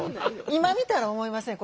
今見たら思いますね。